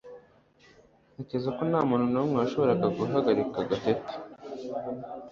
Ntekereza ko ntamuntu numwe washoboraga guhagarika Gatete